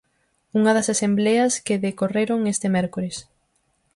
Unha das asembleas que decorreron este mércores.